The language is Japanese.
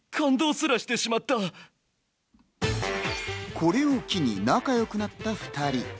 これを機に仲良くなった２人。